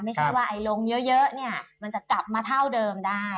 ไม่ใช่ว่าไอ้ลงเยอะเนี่ยมันจะกลับมาเท่าเดิมได้